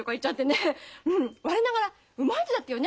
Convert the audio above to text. うん我ながらうまい手だったよね